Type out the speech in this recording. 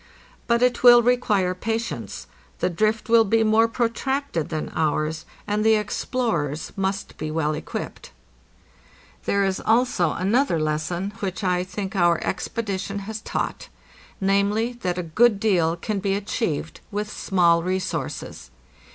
But it will require patience: the drift will be more protracted than ours, and the explorers must be well equipped. There is also another lesson which I think our expedition has CONCLOSION 713 taught—namely, that a good deal can be achieved with small resources.